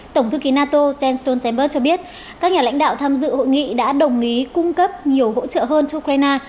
tổng thư ký nato jens stoltenberg cho biết các nhà lãnh đạo tham dự hội nghị đã đồng ý cung cấp nhiều hỗ trợ hơn cho ukraine